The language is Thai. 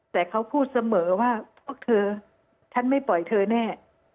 แต่เขาพูดเสมอว่าพวกเธอฉันไม่ปล่อยเธอแน่